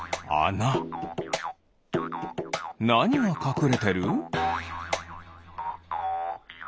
なにがかくれてる？